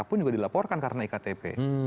pun juga dilaporkan karena iktp